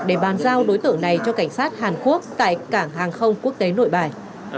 để bàn giao đối tượng này cho cảnh sát hàn quốc tại cảng hàng không quốc tế nội bài